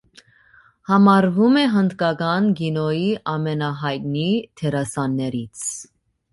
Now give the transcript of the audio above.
Համարվում է հնդկական կինոյի ամենահայտնի դերասաններից։